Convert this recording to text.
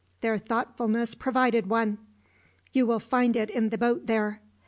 Their thoughtfulness provided one. You will find it in the boat there."